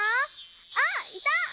あっいた！